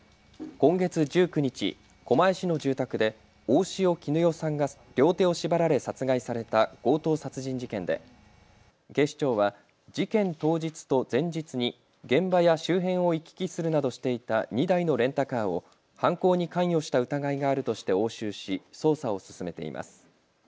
今月１９日、狛江市の住宅で大塩衣與さんが両手を縛られ殺害された強盗殺人事件で警視庁は事件当日と前日に現場や周辺を行き来するなどしていた２台のレンタカーを犯行に関与した疑いがあるとして押収し捜査を進めています。